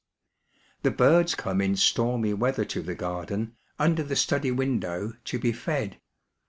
The birds come in stormy weather to the garden, under the study window, to be fed.